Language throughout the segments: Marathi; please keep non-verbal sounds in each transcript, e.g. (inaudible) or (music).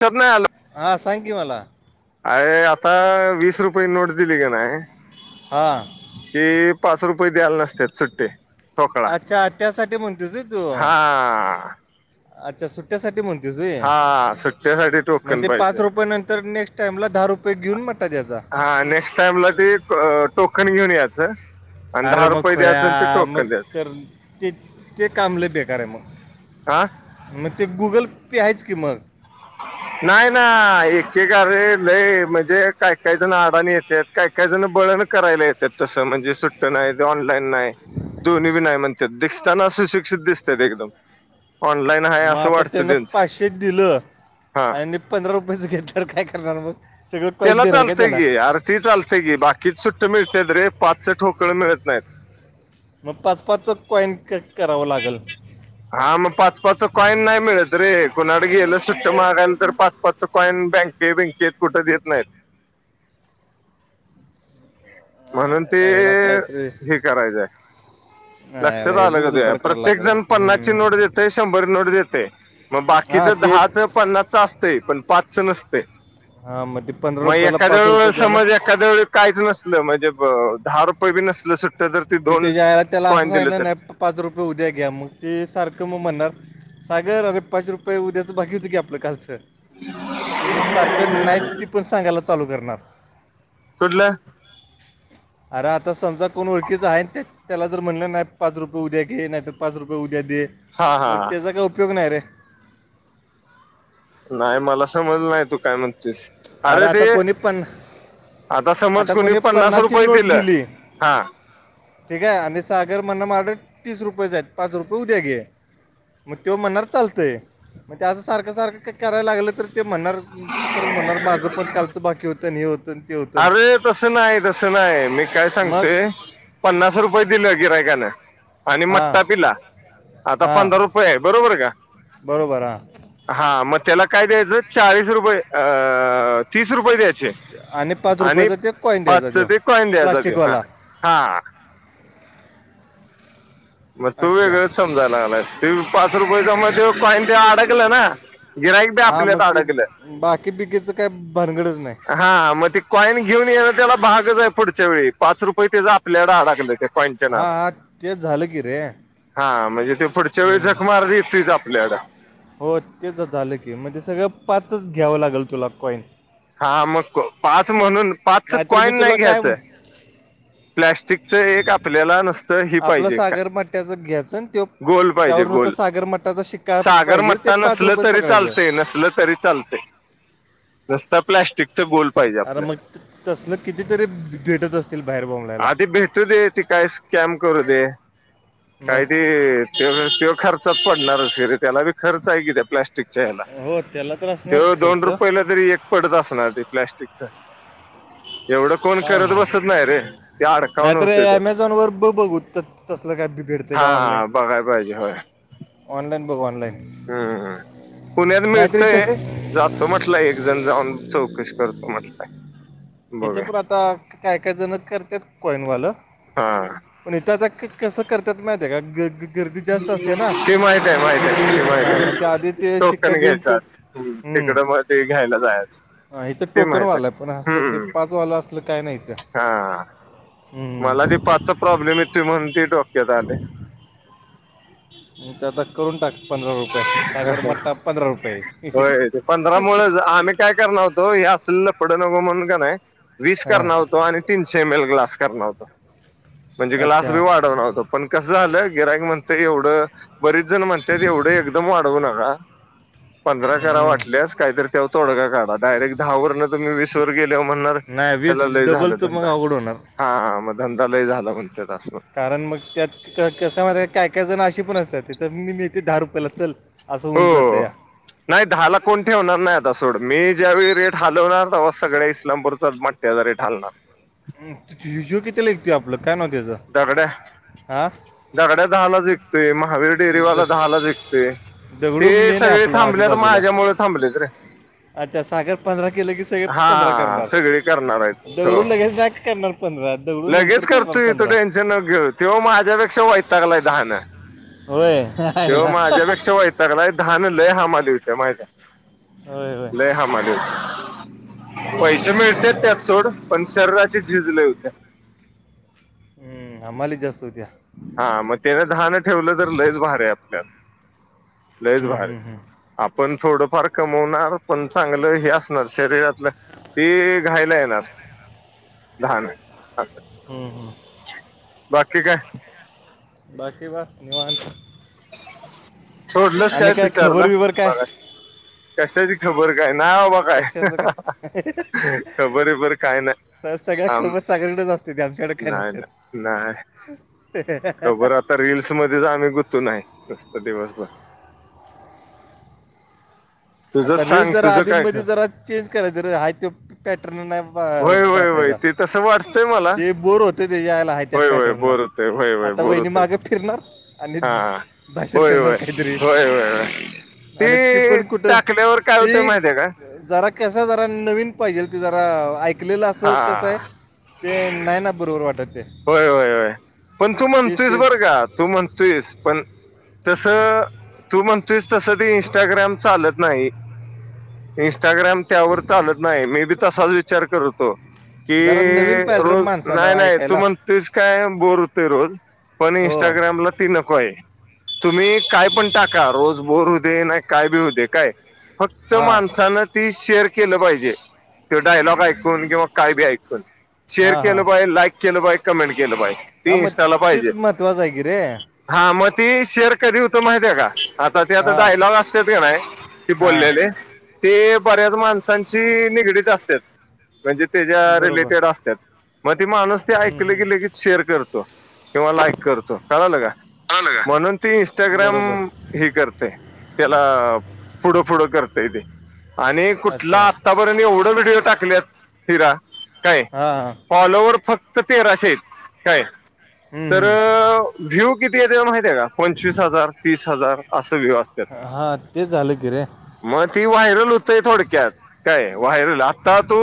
तर नाही आलं हां सांग की मला अय आता वीस रुपये नोट दिली कानाय हां कि पाच रुपये द्यायला नसत सुट्टे ठोकळा अच्छा त्यासाठी म्हणतेस होय तू हा अच्छा सुट्ट्यासाठी म्हणतीसूय हा सुट्ट्यासाठी म्हण टोकन ते पाहिजे पाच रुपयया नंतर नेक्स्ट टाइमला दहा रुपये घेऊन मट्टा द्यायचा. हा नेक्ट टामला ते टोकन घेऊन याचं अरे मग खोळ्या मग द्यायचं तर ते ते काम लय बेकार आहे मग आह मग ते गुगल पे आहेच की मग नाही ना एकेक आरे लय म्हणजे काही काही जण अडाणी येत्यात काय काय जण बळण करायला येत्यात तसं म्हणजे सुट्ट नाही ऑनलाईन नाही दोनीवि नाय म्हणतात दिसताना सुशिक्षित दिसत एकदम ऑनलाईन आहे मग असं आता वाटतं त्यांन त्यांचं पाचशे दिलं हा आणि पंधरा रुपयाेचं घेतलं तर काय करणार मग सगळं कॉईन त्याला देणार काय चालतय त्याला गी आरती चालतेय गी बाकीच सुट्ट मिळतेत रे पाच ठोकळ मिळत नाहीत. मग पाच पाच कॉईन कट करावं लागल. हा मग पाच पाच कॉईन नाही मिळत रे कुणाकड गेलं सुट्ट मागायला तर पाच पाच कॉइन बँके बँकेत कुठं देत नाहीत. म्हणून ते याला- याला काहीतरी हे करायचंय. नाही, याला लक्षात आलं ह्याच का तुझ्या जुगाड करायला प्रत्येक लागेल जण पन्नासची हम्म. नोट देते शंभर नोट देते. मग हा बाकीचं ते दहाचं पन्नासचं असत पण पाचच नसते. हां मग ते पंधरा रुपयाला पाच रुपये द्यायला समज एखाद्या वेळी काहीच नसलं म्हणजे दहा रुपये बी नसल सुट्ट तर ती दोन त्याच्या आईला त्याला असं कॉईन दिलं सांगलं तर नाही पाच रुपये उद्या घ्या मग ते सारखं मग म्हणणार. सागर अरे पाच रुपये उद्याचं बाकी हों की आपलं कालचं ते मग सारखं नाहीत ती पण सांगायला चालू करणार कुठलं अरे आता समजा कोण व ओळखीच आहे ते त्याला जर म्हणलं नाही पाच रुपये उद्या घे नाही तर पाच रुपये उद्या दे हा मग हा त्याचा काय उपयोग नाही रे नाही मला समजलं नाही तू काय म्हणतेस अरे आता कोणी पण समज आता कोणी पन्नास पन्नासची रुपये नोट दिलं दिली. हा ठीक आहे आणि सागर म्हण माझ्याकडे तीस रुपयेच आहेत पाच रुपये उद्या घे मग तेव म्हणणार चालतंय मग ते त्या असं सारखं सारखं का करायला लागलं तर ते म्हणणार परत म्हणणार माझं पण कालचं बाकी होतं हे होत अरे तसं नाही तसं नाही मी काय मग सांगतेय. पन्नास रुपये दिल गिरायकाने आणि हां मट्टा पिला आता पंधरा हां रुपे हो आहे बरोबर का बरोबर ह हा मग त्याला काय द्यायचं चाळीस रुपये अ तीस रुपये द्यायचे. आणि पाच आणि रुपयाचा ते कॉईन द्यायचा पाच तो ते कॉइन द्यायचा ह प्लास्टिकवाला हा मग तू अच्छा वेगळंच समजाला लागलास तू पाच रुपये जमा पान ते कॉइन अडकलं ना गिराईक बी हा मग आपल्यात ते अडकलं बाकी पिकेचं काही भानगड नाही हा मग ते कॉईन घेऊन येण त्याला भागच आहे पुढच्या वेळी पाच रुपये त्याचा आपल्यालाडे हाडाकलं त्या कॉईनच्या नादात. हा तेच झालं की रे हा म्हणजे ते पुढच्या वेळी हम्म. जख मारत येतोय आपल्या कड हो तेच झालं की म्हणजे सगळं पाच घ्यावं लागेल तुला कॉइन. हा मग पाच म्हणून पाचच नाहीतर मी कॉईन नाही तुला काय घ्यायचं. प्लॅस्टिकच एक आपल्याला नसतं हि आपलं पाहिजे का सागर मट्ट्याचं घ्यायचं आणि त्यो गोल पाहिजे त्यावर नुसतं गोल सागर मट्टाचा शिक्का सागर पाहिजे ते मट्टा पाच नसल रुपयेच तरी पकडायचं चालते नसल तरी चालते रस्ता प्लॅस्टिकचा गोल पाहिजे आपल्याला. तसल कितीतरी भेटत अस. भहेरभव आधी भेटू दे ती काय स्कॅम करू दे मग काय ते. ते तेव्हा खर्चात पडणारचिरे त्याला बी खर्च आहे की त्या प्लास्ट. हो त्याला तर असणार दोन खर्च रुपयला तरी एक पडत असणार ती प्लस्टिक च एवढं कोण काय करत बसत माहिती नाही रे. ते अडकावून नाहीतर होते ते अमेझॉन वर बघू तसल काय भेडते का ऑनलाईन. हा बघाय ऑलाईन बघ ऑलाईन. हम् पुण्यात इथं मिळतय. जातो म्हटलंय एक जण जाऊन चौकशी करतो म्हटलंय. हेथं बघूया पण आता काय काय जण करतात कॉइनवालं. हा. प तरता कसं करतात माहिित आहे का. गर्दी जास्त असते ना ते माहित आहे माहित आहे त माहित हा मग त्या आधी आहे ते तो शिक्का पण देऊन घ्यायचा. तो हम्म तिकडं मग ते घ्यायला जायच. इथं टोकनवाला पण असल ते पाच वालं असलं काय नाही तर. हा मला ती पाचचा प्रॉब्लेम येत त म्हणून त डोक्यात आले. म ते आता करून टाक पंधरा रुपये. सागर मठा पंधरा रुपये. होय ते पंधरा मुळे आम्ही काय करण होतो हे असल पड नको म्हणून का नाही वीस हां करण होतो आणि. तीनशे एम एल ग्लास करण होत म्हणजे ग्लास अच्छा बी वाढवणार होत. पण कसं झालं गिरायक म्हणत एवढं बरीच जण म्हणतात एवढं एकदम वाढवू नका. पंधरा करा हम्म. वाटल्यास काहीतरी तेव तोडगा काढा डायरेक्ट दहा ववर न तुम् वीस ववर गेले म्हणणार. नाही वीस हला लय झालं डबलचं मग धंदा अवघड होणार हा मग धंदा लय झाला म्हणते तासून. कारण मग त्यात कसा म काय काय जण अशी पण असतात ते तर मी. ते दहा रुपयाला चल असं होऊन जातं या. नाहीहाला कोण ठेवणार नाही आता सोड मी ज्यावेळी रेट हलवणार सगळ्या इस्लामपूरचा. त्या जरी ठालणार. ू किती कत आपलं काय नव्ह त्याचं. दगड्या हा दगड्या दहालाच एक. ते महावीर द डेरीवाला दहा ला जिकते. ते दगडू मेन आहे सगळे आपला थांबले तर आजूबाजूला माझ्यामुळे थांबले तर रे. अच्छा सागर पंधरा केलं की सगळे पंधरा हा करणार सगळे करणार आहेत हो दगडून लगेच नाही करणार. पंधात दगडून नंतर कर. त टेन्शन न घेऊ तेव्हा माझ्यापेक्षा वयत तगला हाानं. होय तेव्हा आयला माझ्यापेक्षा व्हा सगला ान लय हमा दिवच्या माहि होय होय लय ह पैसे मिळते त्यात सोड पण सर्राचे झिजले होते्या. ह् आ माली जा असूद्या. हा मग त्यान दहाणं ठेवलं तर लयस बार आहे आपल्याला लयस हम्म, बर आहे. हम्म, हम्म, आपण थोडंफार कमवणार पण चांगलं हेस नर्सरीतलं. ती घायला येणार लान अस. हम हं बाकीकी काय. बाकी बस निवाांच्या. सोडलंस काय तुषारला खबर बिबर काय बघा कशाची खबर काय ना आबा व्हय कशाचं काय खबर बिबर काय नाही आम सगळीकडेच असते ते आमच्याकडे काही नाही नसते नाही नाही ते. खबर आता रीलसमध्येच आम्ही गुतून हाय नुसत दिवसभर. आता तुझंच रिल्स सांग जरा तुझं काय ख आधीमधी जरा चेंज करायच हाय ते पॅटर्न नाही होय होय होय वाटायचा. ते तसं वाटतंय मला ते बोर होत त्याच्याला आहे त्या होय होय पॅटर्न ला बोर होतंय होय होय आता बोर वहिणी होतंय मागे फिरणार. आणि हा भाषण होय करणार होय काहीतरी होय होय होय आणि ती ते पण कुठं टाकल्यावर काय होतंय ती माहितीये का जरा कसं आहे जरा नवीन पाहिजेल ते जरा ऐकलेलं असं कसं हा आहे ते नायना बरोबर वाटत ते होय होय होय पण तू तेच म्हणतस तेच बरं का तू म्हण तस पण तस तू म्हणतोयस तस ते इंस्टाग्राम चालत नाही इनस्टाग्राम त्यावर चालत नाही मे बी तसाच विचार करतो कि जरा नवीन पाहिलं रे रोज माणसानं नाही नाही तू ऐकायला म्हण तेच काय बोोलते रोज पण हो इंस्टाग्रामला ती नको आहे तुम्ही काय पण टाका रोज बोर हो दे नाही काय बी हो दे काय फक्त हां माणसानं ती शेअर केलं पाहिजे त डायलॉग ऐकून किंवा काय बी ऐकून. शेअर हां केलं हां पाय लाईक केलं पाय कमेंट केलं पाय. हां म तिचं महत्वाच आहे की रे. हा मग ती शेअर कधी होत माहितीय आहे का? आता ते आता हां डायलॉग असत्यात कनाय ते हां बोललेले. ते बऱ्याच माणसांशी निगडीत असत्यात म्हणजे त्याच्या बरोबर रिलेटेड असत्यात. म ते माणूस ते हम्म, ऐकले हम्म. की लगेच शेअर करतो किंवा लाईक करतो कळालं का. कळलं का म्हणून ती बरोबर इन्स्टाग्राम हे करतय त्याला पुढ पुढ करतय ते आणि कुठला अच्छा आता आजपर्यंत एवढ व्हिडिओ टाकल्यातं (unintelligible) काय हां फॉलोवर फक्त क्त तेराशे च काय हम् हम. तर व्हिव किती यत्यात माहतीय आहे का पंचवीस हजार तीस हजार असं व्हिव असत. हां तेच झालं की रे. मग ती व्हायरल होतय थोडक्यात काय व्हायरल आता तू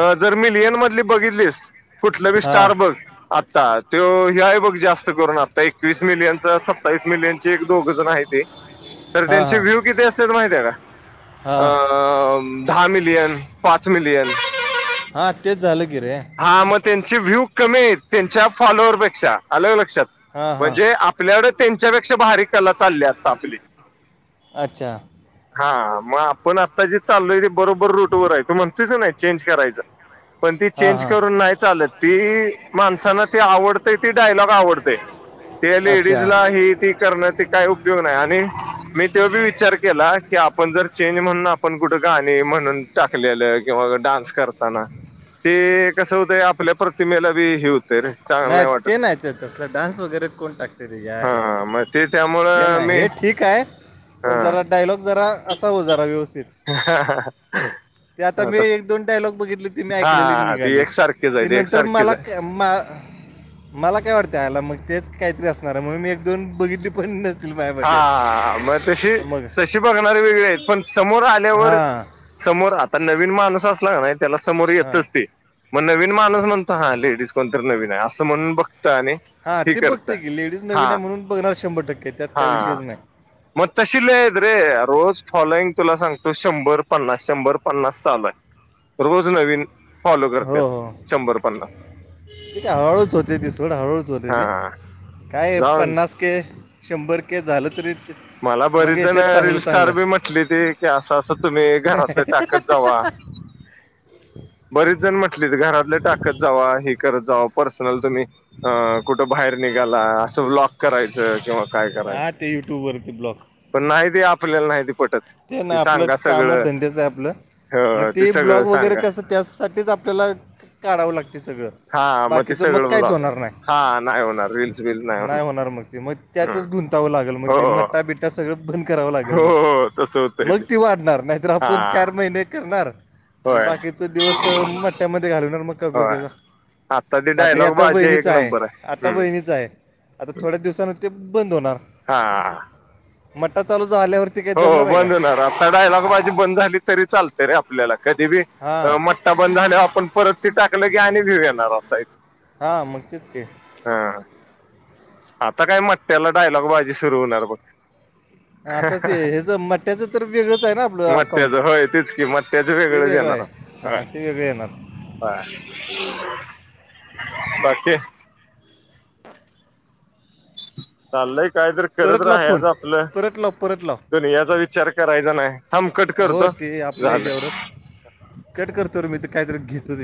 अ जर मिलियन मधली बघितलीस कुठलं बी हां स्टार बघ आत्ता तो हे आहे बघ जास्त करून आत्ता एकवीस मिलियनच सत्तावीस मिलियन चे एक दोघजण आहे ते तर हां त्यांचे हां व्हीव किती असतेत माहितीय हाय का अ हां अ दहा मिलियन पाच मिलियन. हा तेच झालं गी रे. हा मग त्यांचे व्हिव कमी आहेत त्यांच्या फॉलोअर पेक्षा आलं का लक्षात हां हां म्हणजे आपल्याकडे त्यांच्यापेक्षा भारी कला चालली आता आपली. अच्छा. हा मग आपण आता जे चाललोय ते बरोबर रूट वर आहे तू म्हणतोस कणी चेंज करायच पण ती हां चेंज हां करून नाही चालत ती माणसांना ती आवडते ती डायलॉग आवडते. ते अच्छा लेडीज ला हे ते करण्यात ते काय उपयोग नाही आणि मी त्यो बी विचार केला की आपण जर चेंज म्हणून आपण कुठं गाणी म्हणून टाकलेलं किंवा डान्स करताना. ते कसं होतंय आपल्या प्रतिमेला बी हे होत नाही ते नाही ते तसला डान्स वगैरे कोण टाकते तेजायला हा मग ते ते त्यामुळं नाही मी हे ठीक आहे हा पण जरा डायलॉग जरा असावं जरा व्यवस्थित. ह ते आता मी एक दोन डायलॉग बघितले ती मी ऐकलेली हा ती निघाली एकसारखीच आहे ते ती नंतर एकसारखीच मला आहे मग मला काय वाटतं आयला मग तेच काहीतरी असणार आहे म्हण मी एक दोन बघितली पण्नच हा मग तशी मग तशी बघणारे वेगळे आहेत पण समोर आल्यावर हां समोर आता नवीन माणूस असला नाही त्याला समोर हां येतच ते मग नवीन माणूस म्हणतो हा लेडीज कोणतरी नवीन आहे असं म्हणून बघत आणि हा हे ते करत बघते की डीज हा नवीन आहे म्हणून बघणार शंभर टक्क्या हा मग तशी लि आहेतत रे रोज फॉलोइंग तुला सांगतो शंभर पन्नास शंभर पन्नास चालूय रोज नवीन फॉलो करतात शंभर पन्नास त हळळूच होते ती सोड हळूच होते हा ते काय जाऊन पन्नास के शंभर के झालं तरी मला मग बरीच जण येतात रील चांगलं स्टार चांगलं बी म्हटली ती की असं असं तुम्ही घरातलं टाकत जावा. बरीच जण म्हटली घरातलं टाकत जावा हे करत जावं पर्सनल तुम्ही अ कुठं बाहेर निघाला असं ब्लॉक करायचं किंवा काय हा करायचं ते यूट्यूबवरती ब्लॉक. पण नाहीती आपल्याला नाहीती ते ना आपलं काम धंद्याचं आहे आपलं मग ह ते सगळं ब्लॉग वगैरे सांगा कसं त्यासाठीच आपल्याला काढावं लागते सगळं हा ते बाकीच मग सगळं काहीच होणार ब्लॉगच नाही हा नाही होणार रील्स बिल्स नाही होणार मग ते मग त्यातच गुंतावं लागेल मग हो ते मट्टा बिट्टा सगळं बंद करावं लागेल हो मग हो तसं होतंय मग ते ती वाढणार नाहीतर हा आपण चार महिने करणार आणि होय बाकीचा दिवस म्हट त्या ममध्ये घालणार मग का उपयग होय त्याचा ते आ आता हे डायलॉग आता बाजी एक वहिणीच आहे नंबर आता हम्म वहिणीच आहे आता थोड्याच दिवसाांन ते बंद होणार हा मटठा चालू आल्यावरती हो बंद होणार आता डायलॉग बाजी बंद झाली तरी चालते रे आपल्याला कधी बी हां टा बंद झाल आपण परत ते टाकलं की आणि भिऊ येणार असा हां मग तेच की हा आता काय मटत्याला डायलॉग बाजी सुरू होणार ब आता ते हचं मठ्याचं तर वेगळंच आहे ना आपलं अकाउंट मट्ट्याचं होय तेच की मट्ट्याचं ते वेगळंच वेगळं आहे हा ते वेगळे येणार हा बाकी चाललंय काय तर करत परत लाव राहा फोन आज आपलं परत लाव परत लाव दन याचा विचार करायचा नाही थमकट हो करतो ते आपल्या झालं ह्याच्यावरच कट करतो र मी तर कायतरी घेतो र